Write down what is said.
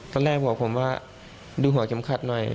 ตอนแรกบอกผมว่าดูหัวเข็มขัดหน่อย